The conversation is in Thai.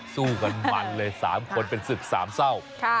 สู้กันบันเลย๓คนเป็น๑๓เศร้า